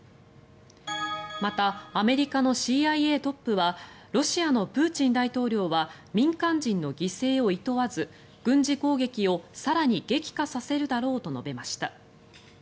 またアメリカのＣＩＡトップはロシアのプーチン大統領は民間人の犠牲をいとわず軍事攻撃を更に激化させるだろうと述べました。